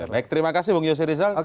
baik terima kasih bung yose rizal